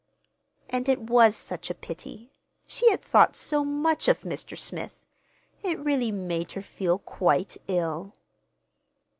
And it was such a pity—she had thought so much of Mr. Smith! It really made her feel quite ill.